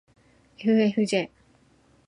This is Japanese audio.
ｆｆｊ